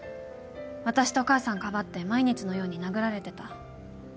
私と母さんかばって毎日のように殴られてた。